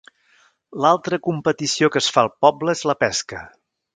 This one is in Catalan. L'altra competició que es fa al poble és la pesca.